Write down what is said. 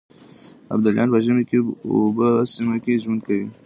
ابدالیانو په ژمي کې په اوبې سيمه کې ژوند کاوه.